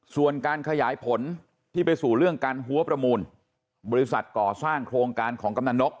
ส่วนการขยายผลที่ไปสู่เรื่องการหัวประมูลบริษัทก่อสร้างโครงการของกำลังนก